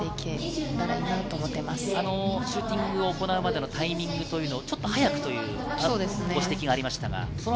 シューティングを行うまでのタイミングというのをちょっと早くというご指摘がありましたが。